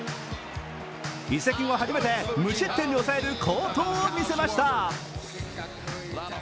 移籍後初めて無失点に抑える好投を見せました。